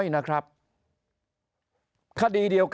นายกรัฐมนตรีพูดเรื่องการปราบเด็กแว่น